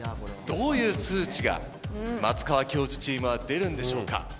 どういう数値が松川教授チームは出るんでしょうか。